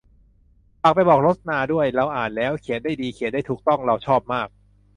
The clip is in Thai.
ฝากไปบอกรสนาด้วย เราอ่านแล้ว เขียนได้ดี เขียนได้ถูกต้อง เราชอบมาก